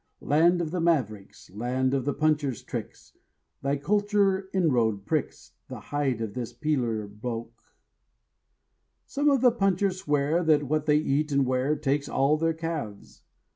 Land of the mavericks, Land of the puncher's tricks, Thy culture inroad pricks The hide of this peeler bloke. Some of the punchers swear That what they eat and wear Takes all their calves.